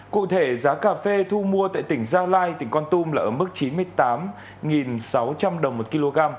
cụ thể giá cà phê thu mua tại tỉnh gia lai tỉnh con tum là ở mức chín mươi tám sáu trăm linh đồng một kg